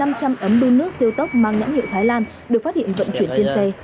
năm trăm linh ấm đun nước siêu tốc mang nhãn hiệu thái lan được phát hiện vận chuyển trên xe